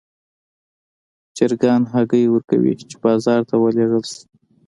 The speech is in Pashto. چرګان هګۍ ورکوي چې بازار ته ولېږدول شي.